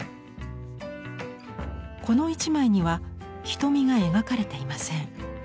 この一枚には瞳が描かれていません。